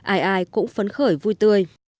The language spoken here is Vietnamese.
ai ai cũng phấn khởi vui tươi